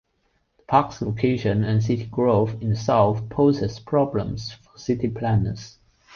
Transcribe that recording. The park's location and city growth in the south poses problems for city planners.